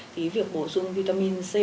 thì việc bổ sung vitamin c